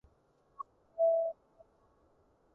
杜門、景門、中門為三中平門